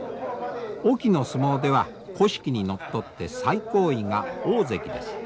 隠岐の相撲では古式にのっとって最高位が大関です。